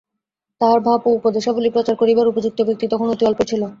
তাঁহার ভাব ও উপদেশাবলী প্রচার করিবার উপযুক্ত ব্যক্তি তখন অতি অল্পই ছিল।